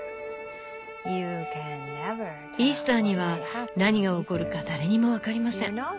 「イースターには何が起こるか誰にもわかりません。